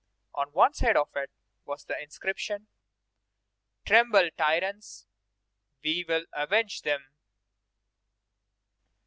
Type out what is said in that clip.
On one side of it was the inscription: "Tremble, tyrants; we will avenge them!"